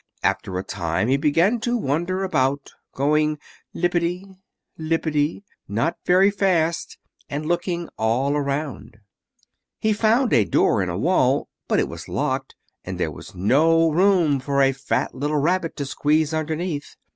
After a time he began to wander about, going lippity lippity not very fast, and looking all round. He found a door in a wall; but it was locked, and there was no room for a fat little rabbit to squeeze underneath.